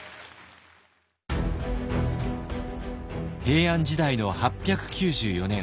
平安時代の８９４年。